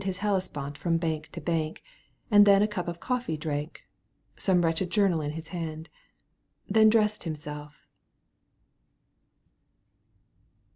His Hellespont from bank to bank, And then a cup of coffee drank, Some wretched journal in his hand ; Then dressed himself